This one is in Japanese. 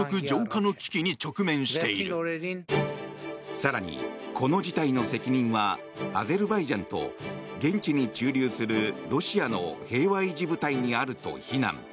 更に、この事態の責任はアゼルバイジャンと現地に駐留する、ロシアの平和維持部隊にあると非難。